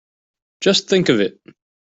Just think of it!